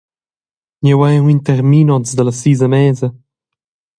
Jeu hai aunc in termin oz dallas sis e mesa.